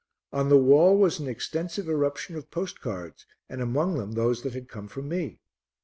On the wall was an extensive eruption of postcards and among them those that had come from me.